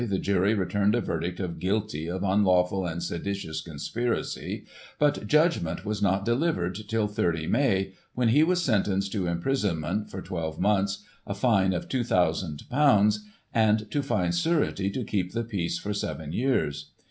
the jury returned a verdict of guilty of unlawful and seditious conspiracy, but judgment was not delivered till 30 May, when he was sentenced to imprisonment for twelve months, a fine of ;£"2,ooo, and to find surety to keep the peace for seven years.